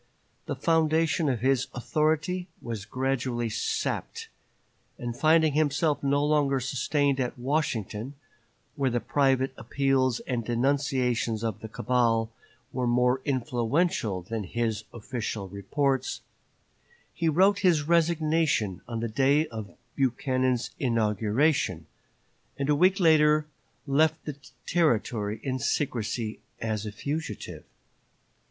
The foundation of his authority was gradually sapped; and finding himself no longer sustained at Washington, where the private appeals and denunciations of the cabal were more influential than his official reports, he wrote his resignation on the day of Buchanan's inauguration, and a week later left the Territory in secrecy as a fugitive.